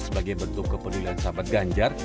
sebagai bentuk kepedulian sahabat ganjar